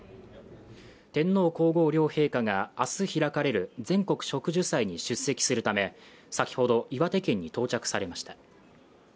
天皇皇后両陛下が明日開かれる全国植樹祭に出席するため先ほど岩手県に到着されました。